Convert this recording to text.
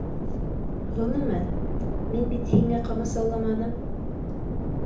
Ғөмүмән, мин бит һиңә ҡамасауламаным